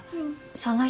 その人。